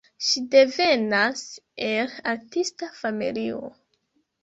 Ŝi devenas el artista familio.